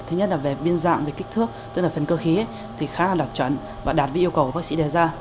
thứ nhất là về biên dạng về kích thước tức là phần cơ khí thì khá là đặc chuẩn và đạt với yêu cầu của bác sĩ đề ra